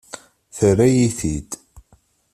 Terra-yi-t-id.